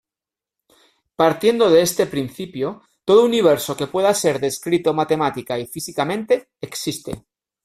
Partiendo de este principio, todo universo que pueda ser descrito, matemática y físicamente, existe.